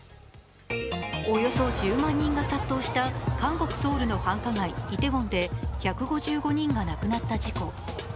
およそ１０万人が殺到した韓国・ソウルの繁華街・イテウォンで１５５人が亡くなった事故。